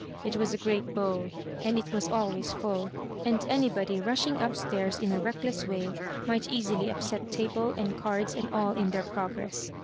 It was a great b.owl, and it was always full, and anybody rushing up stairs in a reckless way might easily upset table and cards and all in their progress.